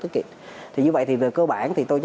tiết kiệm thì như vậy thì về cơ bản